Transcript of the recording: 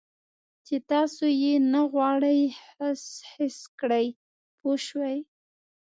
چې تاسو یې نه غواړئ حس کړئ پوه شوې!.